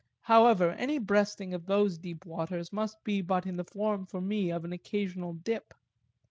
However, any breasting of those deep waters must be but in the form for me of an occasional dip.